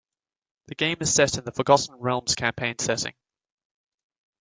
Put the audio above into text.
The game is set in the Forgotten Realms campaign setting.